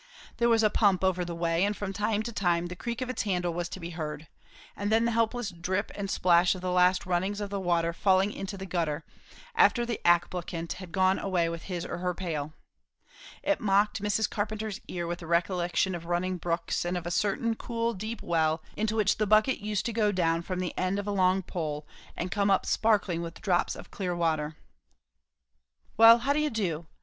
There was a pump over the way; and from time to time the creak of its handle was to be heard, and then the helpless drip and splash of the last runnings of the water falling into the gutter, after the applicant had gone away with his or her pail. It mocked Mrs. Carpenter's ear with the recollection of running brooks, and of a certain cool deep well into which the bucket used to go down from the end of a long pole and come up sparkling with drops of the clear water. "Well, how do you do?"